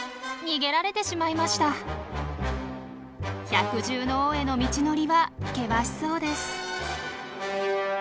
百獣の王への道のりは険しそうです。